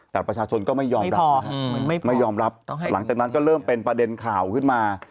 แต่ประชาชนก็ไม่ยอมรับไม่ยอมรับหลังจากนั้นก็เริ่มเป็นประเด็นข่าวขึ้นมา